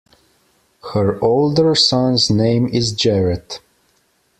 Her older son's name is Jarrett.